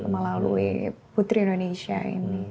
melalui putri indonesia ini